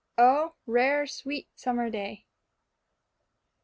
_ O RARE, SWEET SUMMER DAY.